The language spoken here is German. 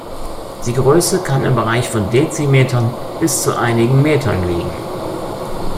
Die Größe kann im Bereich von Dezimetern bis zu einigen Metern liegen.